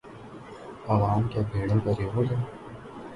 عوام کیا بھیڑوں کا ریوڑ ہے؟